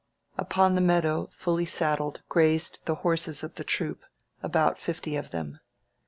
Upon the meadow, fully saddled, grazed the horses of the troop, about fifty of them.